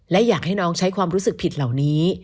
และอยากให้น้องใช้ความรู้สึกผิดเหล่านี้